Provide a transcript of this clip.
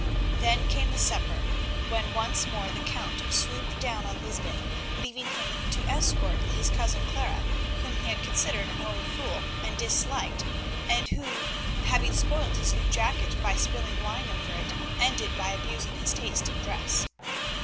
Then came the supper, when once more the Count swooped down on Lysbeth, leaving him to escort his Cousin Clara, whom he considered an old fool and disliked, and who, having spoilt his new jacket by spilling wine over it, ended by abusing his taste in dress.